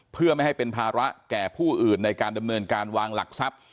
เพื่อไม่ให้เป็นภาระแก่ผู้อื่นในการดำเนินการวางหลักทรัพย์